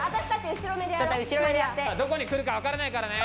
どこにくるかわからないからね。